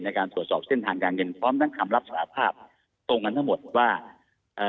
ในการตรวจสอบเส้นทางการเงินพร้อมทั้งคำรับสารภาพตรงกันทั้งหมดว่าเอ่อ